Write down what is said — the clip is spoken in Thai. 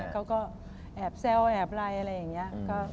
เขาก็แอบเซลล์อาห์ไลน์อะไรอย่างนี้